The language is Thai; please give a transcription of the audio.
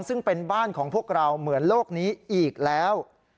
ซึ่งเป็นบ้านของพวกเราเหมือนโลกนี้อีกแล้ว